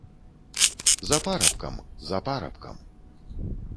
За парабкам, за парабкам.